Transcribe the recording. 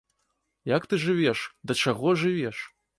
Як ты жывеш, да чаго жывеш?